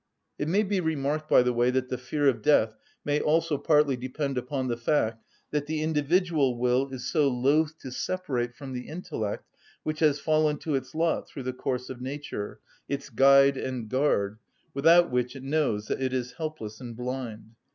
It may be remarked by the way that the fear of death may also partly depend upon the fact that the individual will is so loath to separate from the intellect which has fallen to its lot through the course of nature, its guide and guard, without which it knows that it is helpless and blind.